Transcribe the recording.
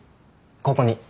ここに。